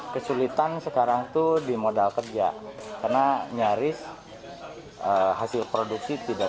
kesulitan sekarang tuh di modal kerja karena nyaris hasil produksi tidak